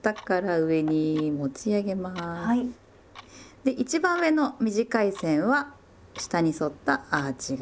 で一番上の短い線は下に反ったアーチ型。